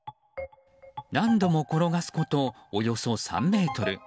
何度も転がすことおよそ３ｍ。